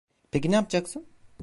Peki ne yapacaksın?